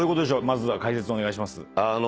まずは解説お願いします。